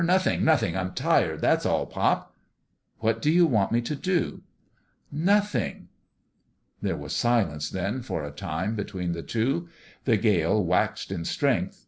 Nothing! Nothing! I'm tired. That's all, pop." " What do you want me to do ?"" Nothing." There was silence, then, for a time, between the two. The gale waxed in strength.